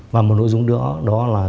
và một nội dung nữa đó là